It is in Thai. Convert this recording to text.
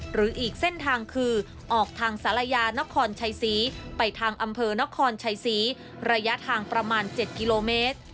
หรืออีกเส้นทางคือออกทางศาลายานครชัยศรีไปทางอำเภอนครชัยศรีระยะทางประมาณ๗กิโลเมตร